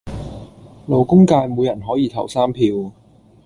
勞工界每人可以投三票